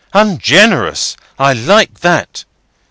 "Ungenerous! I like that!"